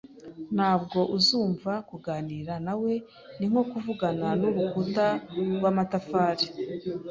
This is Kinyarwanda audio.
Ntabwo azumva. Kuganira na we ni nko kuvugana n'urukuta rw'amatafari